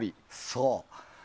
そう。